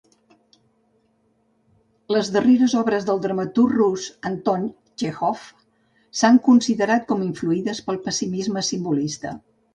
Les darreres obres del dramaturg rus Anton Txékhov s'han considerat com influïdes pel pessimisme simbolista.